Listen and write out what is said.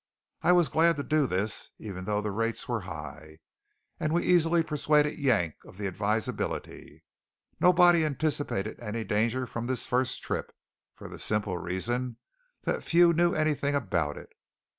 I was glad to do this, even though the rates were high; and we easily persuaded Yank of the advisability. Nobody anticipated any danger from this first trip, for the simple reason that few knew anything about it.